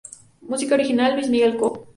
Música original: Luis Miguel Cobo.